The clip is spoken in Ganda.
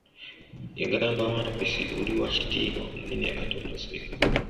Yagamba Wampisi, oli wakitiibwa, omunene ate omuzira.